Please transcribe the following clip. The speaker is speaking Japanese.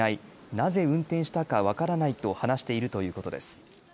なぜ運転したか分からないと話しているということです。